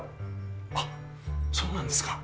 あそうなんですか。